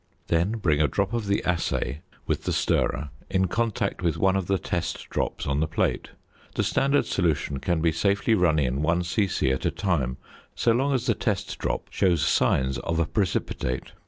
Then bring a drop of the assay with the stirrer in contact with one of the test drops on the plate. The standard can be safely run in 1 c.c. at a time, so long as the test drop shows signs of a precipitate.